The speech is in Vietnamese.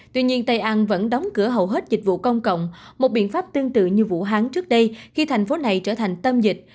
tuy nhiên tây an vẫn đóng cửa hầu hết dịch vụ công cộng một biện pháp tương tự như vũ hán trước đây khi thành phố này trở thành tâm dịch